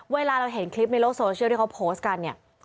เวลาเราเห็นคลิปในโลกโซเชียลที่เขาโพสต์กันเนี่ย